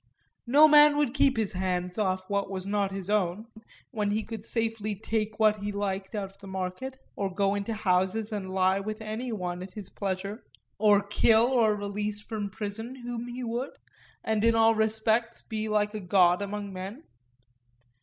No man would keep his hands off what was not his own when he could safely take what he liked out of the market, or go into houses and lie with any one at his pleasure, or kill or release from prison whom he would, and in all respects be like a God among men.